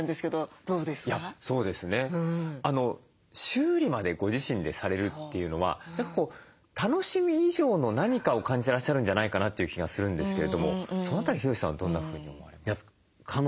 修理までご自身でされるというのは楽しみ以上の何かを感じてらっしゃるんじゃないかなという気がするんですけれどもその辺りヒロシさんはどんなふうに思われますか？